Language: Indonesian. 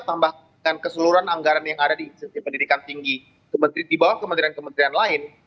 tambahkan keseluruhan anggaran yang ada di institusi pendidikan tinggi di bawah kementerian kementerian lain